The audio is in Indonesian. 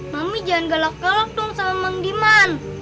mami jangan galak galak dong sama mang liman